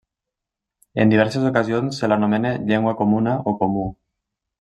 En diverses ocasions se l'anomena Llengua Comuna o Comú.